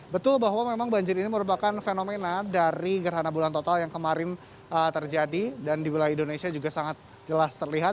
betul bahwa memang banjir ini merupakan fenomena dari gerhana bulan total yang kemarin terjadi dan di wilayah indonesia juga sangat jelas terlihat